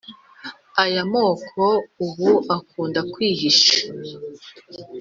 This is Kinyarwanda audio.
aya maboko ubu akunda kwihisha,